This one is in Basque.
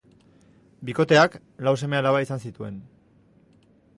Bikoteak lau seme-alaba izan zituzten.